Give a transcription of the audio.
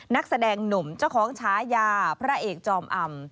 นักแสดงหนุ่มเจ้าของฉายาพระเอกจอมอำ